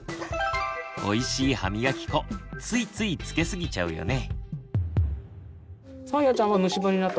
おいしい歯みがき粉ついついつけすぎちゃうよね。